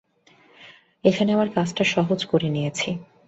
এখানে আমার কাজটা সহজ করে নিয়েছি।